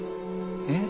えっ？